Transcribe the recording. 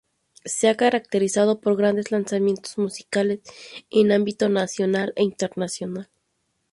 Se ha caracterizado por grandes lanzamientos musicales, en ámbito nacional e internacional.